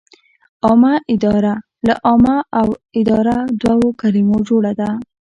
عامه اداره له عامه او اداره دوو کلمو جوړه ده.